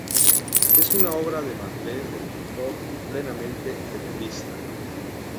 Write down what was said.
Es una obra de madurez del pintor, plenamente tenebrista.